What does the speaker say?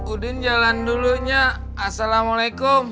udin jalan dulunya assalamualaikum